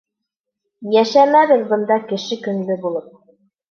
Йәшәмәбеҙ бында кеше көнлө булып.